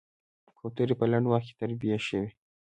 کوترې په لنډ وخت کې تربيه شوې.